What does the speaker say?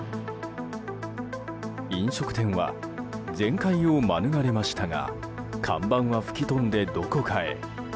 飲食店は全壊を免れましたが看板は吹き飛んでどこかへ。